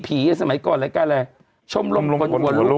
ผีเอาสมัยก่อนรายการอะไรชมรมกฤหลุ